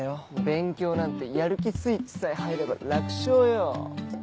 勉強なんてやる気スイッチさえ入れば楽勝よ！